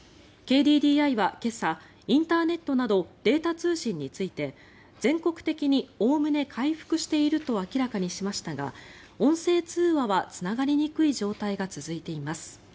ＫＤＤＩは今朝インターネットなどデータ通信について全国的におおむね回復していると明らかにしましたが音声通話はつながりにくい状態が続いています。